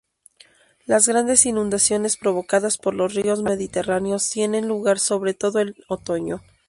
Las grandes inundaciones provocadas por los ríos mediterráneos tienen lugar sobre todo en otoño.